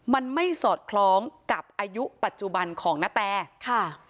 มันไม่สอดคล้องกับอายุปัจจุบันของนาแตค่ะ